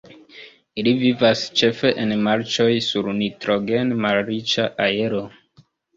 Ili vivas ĉefe en marĉoj, sur nitrogen-malriĉa aero.